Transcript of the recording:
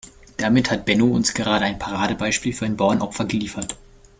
Damit hat Benno uns gerade ein Paradebeispiel für ein Bauernopfer geliefert.